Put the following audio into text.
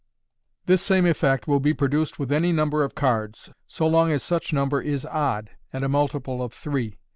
This same effect will be produced with any number of cards, so long as such number is odd, and a multiple of three.